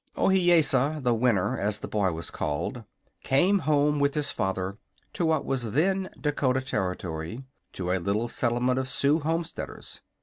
Ohiyesa, the Winner, as the boy was called, came home with his father to what was then Dakota Territory, to a little settlement of Sioux homesteaders.